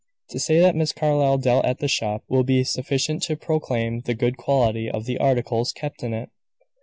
To say that Miss Carlyle dealt at the shop will be sufficient to proclaim the good quality of the articles kept in it.